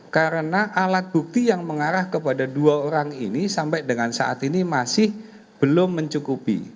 karena alat bukti yang mengarah kepada dua orang ini sampai dengan saat ini masih belum mencukupi